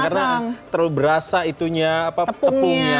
karena terlalu berasa itunya tepungnya